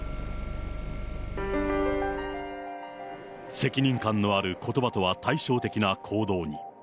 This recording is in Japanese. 責任感のあることばとは対照的な行動に。